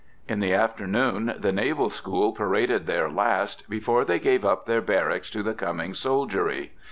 In the afternoon the Naval School paraded their last before they gave up their barracks to the coming soldiery.